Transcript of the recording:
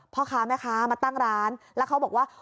พ่อค้าแม่ค้ามาตั้งร้านแล้วเขาบอกว่า